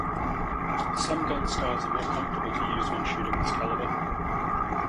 Some gun styles are more comfortable to use when shooting this caliber.